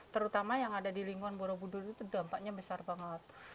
terutama yang ada di lingkungan borobudur itu dampaknya besar banget